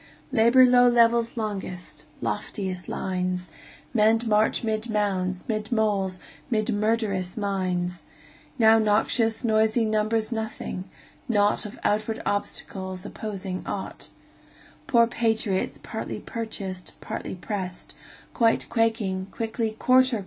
Labor low levels longest, lofiest lines; Men march 'mid mounds, 'mid moles, ' mid murderous mines; Now noxious, noisey numbers nothing, naught Of outward obstacles, opposing ought; Poor patriots, partly purchased, partly pressed, Quite quaking, quickly "Quarter!